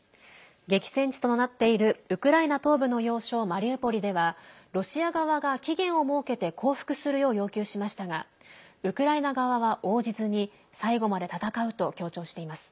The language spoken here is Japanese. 激戦地となっているウクライナ東部の要衝マリウポリではロシア側が期限を設けて降伏するよう要求しましたがウクライナ側は応じずに最後まで戦うと強調しています。